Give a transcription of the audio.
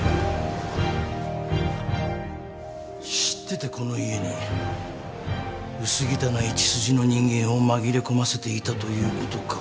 知っててこの家に薄汚い血筋の人間を紛れ込ませていたということか？